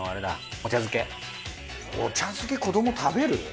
お茶漬け子ども食べる？